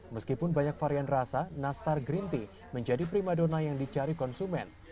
meskipun banyak varian rasa nastar green tea menjadi prima dona yang dicari konsumen